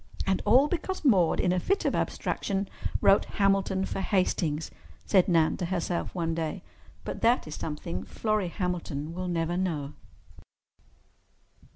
"And all because Maude in a fit of abstraction wrote 'Hamilton' for 'Hastings,'" said Nan to herself one day. But that is something Florrie Hamilton will never know.